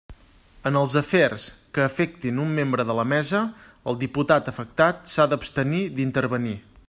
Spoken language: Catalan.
En els afers que afectin un membre de la Mesa, el diputat afectat s'ha d'abstenir d'intervenir.